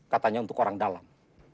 katanya untuk orang dalam